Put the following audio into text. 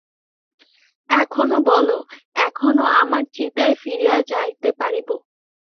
এখনো বলো, এখনো আমার চিতায় ফিরিয়া যাইতে পারিব।